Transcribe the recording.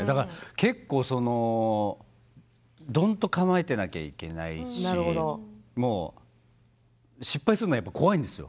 結構どんと構えていなくてはいけないし失敗するのが怖いんですよ。